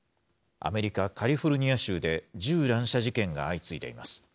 アメリカ・カリフォルニア州で銃乱射事件が相次いでいます。